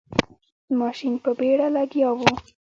ماشین په بیړه لګیا و.